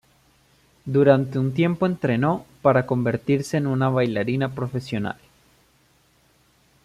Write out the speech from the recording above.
Durante un tiempo entrenó para convertirse en una bailarina profesional.